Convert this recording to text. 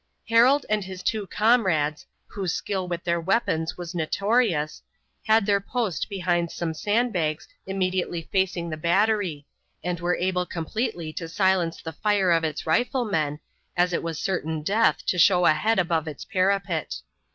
Harold and his two comrades, whose skill with their weapons was notorious, had their post behind some sand bags immediately facing the battery, and were able completely to silence the fire of its riflemen, as it was certain death to show a head above its parapet.